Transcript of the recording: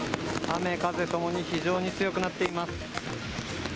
雨、風ともに非常に強くなっています。